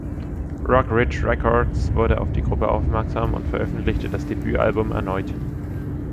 Rock Ridge Records wurde auf die Gruppe aufmerksam und veröffentlichte das Debütalbum erneut.